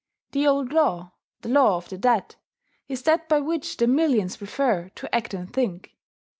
The old law, the law of the dead, is that by which the millions prefer to act and think.